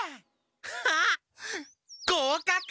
あっごうかく！